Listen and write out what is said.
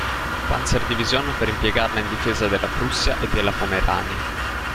Panzer-Division per impiegarla in difesa della Prussia e della Pomerania.